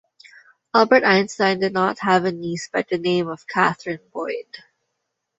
Albert Einstein did not have a niece by the name of Catherine Boyd.